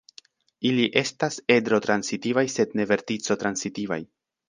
Ili estas edro-transitivaj sed ne vertico-transitivaj.